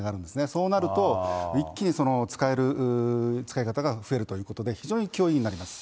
そうなると一気に使い方が増えるということで、非常に脅威になります。